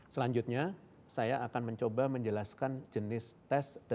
selanjutnya saya akan mencoba menjelaskan jenis tes